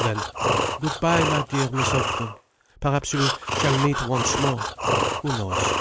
Then: "Good bye, my dear Miss Houghton. Perhaps we shall meet once more. Who knows?